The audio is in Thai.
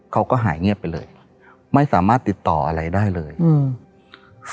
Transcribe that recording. เขาก็หายเงียบไปเลยไม่สามารถติดต่ออะไรได้เลยอืม